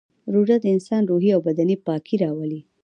روژه د انسان روحي او بدني پاکي راولي